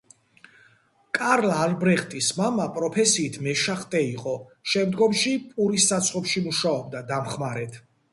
კარლ ალბრეხტის მამა პროფესიით მეშახტე იყო, შემდგომში პურის საცხობში მუშაობდა დამხმარედ.